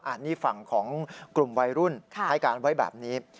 อันนี้ฝั่งของกลุ่มวัยรุ่นให้การไว้แบบนี้